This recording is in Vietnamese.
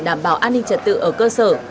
đảm bảo an ninh trật tự ở cơ sở